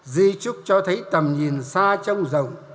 di trúc cho thấy tầm nhìn xa trông rộng